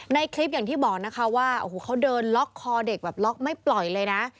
ในคลิปอย่างที่บอกนะคะว่าโอ้โหเขาเดินล็อกคอเด็กแบบล็อกไม่ปล่อยเลยนะ